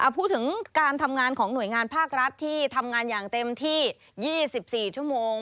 พูดถึงการทำงานของหน่วยงานภาครัฐที่ทำงานอย่างเต็มที่๒๔ชั่วโมง